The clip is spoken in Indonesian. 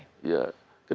kita bisa bangun negeri